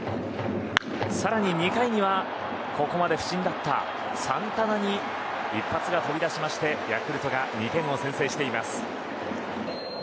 更に２回にはここまで不振だったサンタナに一発が飛び出しヤクルトが２点先制しています。